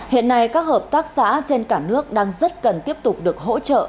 hiện nay các hợp tác xã trên cả nước đang rất cần tiếp tục được hỗ trợ